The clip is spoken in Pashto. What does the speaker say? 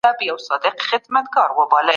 ماشوم زده کوي چې ځان وپېژني.